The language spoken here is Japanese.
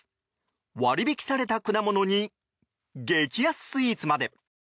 割引された果物に激安スイーツまで。